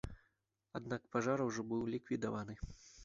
Аднак пажар ужо быў ліквідаваны.